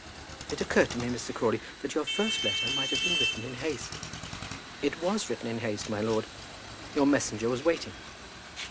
It occurred to me, Mr. Crawley, that your first letter might have been written in haste." "It was written in haste, my lord; your messenger was waiting."